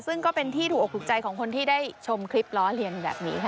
ซึ่งก็เป็นที่ถูกอกถูกใจของคนที่ได้ชมคลิปล้อเลียนแบบนี้ค่ะ